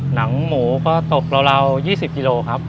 หนังหมูก็ตกราว๒๐กิโลครับ